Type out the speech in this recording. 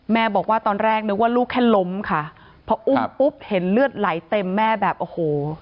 แม่บอกว่าตอนแรกนึกว่าลูกแค่ล้มค่ะพออุ้มปุ๊บเห็นเลือดไหลเต็มแม่แบบโอ้โห